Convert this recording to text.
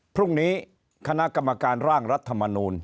พรุ่งนี้คณะกรรมการร่างรัฐมนูล